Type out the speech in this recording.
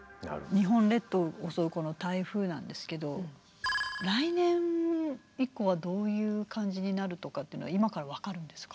日本列島を襲うこの台風なんですけど来年以降はどういう感じになるとかっていうのは今から分かるんですか？